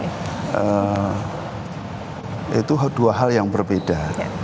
itu dua hal yang berbeda